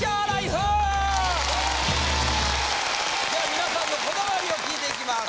皆さんのこだわりを聞いていきます。